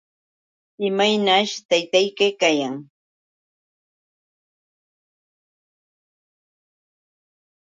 ¿Imaynaćh taytayki kayan?